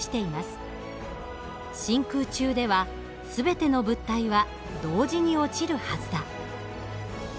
「真空中では全ての物体は同時に落ちるはずだ」。